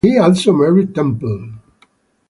He also married Temple.